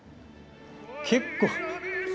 結構。